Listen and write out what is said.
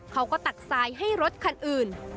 เขาก็ตักทรายให้รถคันอื่น